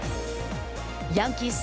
ヤンキース戦